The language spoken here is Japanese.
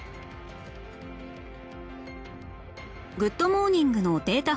『グッド！モーニング』のデータ